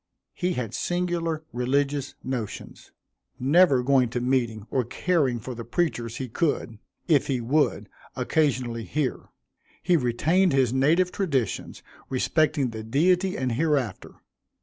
He had singular religious notions never going to meeting or caring for the preachers he could, if he would, occasionally hear. He retained his native traditions respecting the Deity and hereafter.